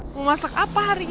mau masak apa hari ini